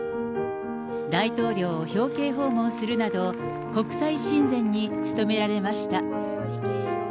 大統領を表敬訪問するなど、国際親善に努められました。